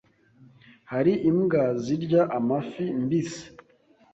Hari imbwa zirya amafi mbisi?